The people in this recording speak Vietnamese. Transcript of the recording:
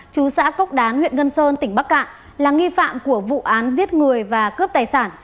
chú xã cốc đán huyện ngân sơn tỉnh bắc cạn là nghi phạm của vụ án giết người và cướp tài sản